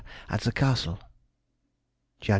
at the Castle. _Jan.